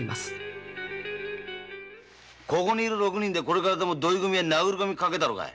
ここにいる６人でこれからでも土居組へ殴り込みかけたろかい。